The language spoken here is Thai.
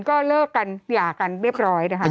ก็เลิกกันหย่ากันเรียบร้อยนะคะ